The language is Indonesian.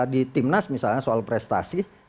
di timnas misalnya soal prestasi